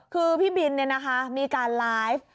คือพี่บินเนี่ยนะคะมีการไลฟ์